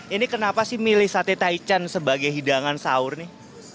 ini kenapa sih milih sate taichan sebagai hidangan sahur nih